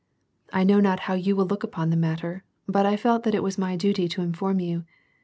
I know not how yoii will look upon the matter, but I felt that it was my duty to in form you.